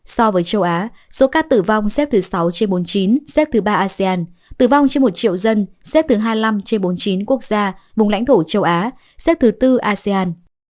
so với châu á số ca tử vong xếp từ sáu trên bốn mươi chín xếp từ ba asean tử vong trên một triệu dân xếp từ hai mươi năm trên bốn mươi chín quốc gia vùng lãnh thổ châu á xếp từ bốn asean